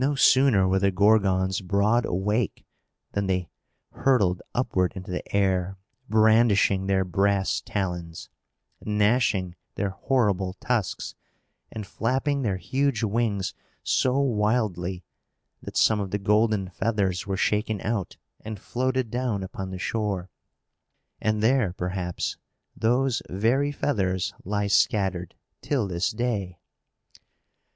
No sooner were the Gorgons broad awake than they hurtled upward into the air, brandishing their brass talons, gnashing their horrible tusks, and flapping their huge wings so wildly, that some of the golden feathers were shaken out, and floated down upon the shore. And there, perhaps, those very feathers lie scattered till this day.